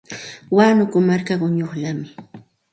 Wakunku marka quñullami.